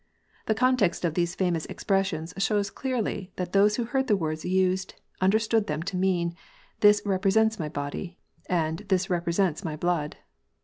The context of these famous expressions shows clearly that those who heard the words used, understood them to mean, "This represents My body," and "This represents My blood."